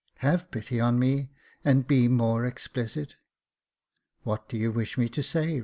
Have pity on me, and be more explicit." " What do you wish me to say?"